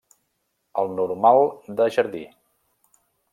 El normal de jardí.